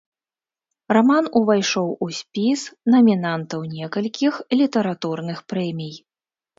Раман увайшоў у спіс намінантаў некалькіх літаратурных прэмій.